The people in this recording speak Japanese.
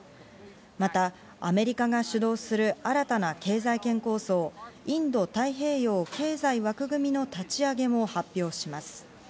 またアメリカが主導する新たな経済圏構想、インド太平洋経済枠組みの立ち上げも発表します。